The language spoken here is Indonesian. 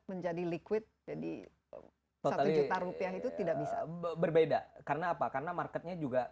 menjadi liquid jadi satu juta rupiah itu tidak bisa berbeda karena apa karena marketnya juga